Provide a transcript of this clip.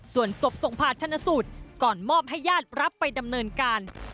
ส่วนศพส่งผ่าชนะสูตรก่อนมอบให้ญาติรับไปดำเนินการ